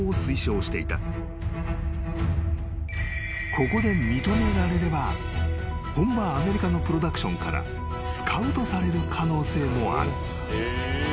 ［ここで認められれば本場アメリカのプロダクションからスカウトされる可能性もある］